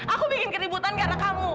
aku bikin keributan karena kamu